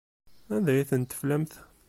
Anda ay ten-teflamt?